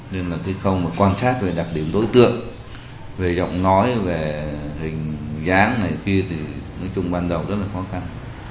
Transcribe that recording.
nên là khi không quan sát về đặc điểm đối tượng về giọng nói về hình dáng này kia thì nói chung ban đầu rất là khó khăn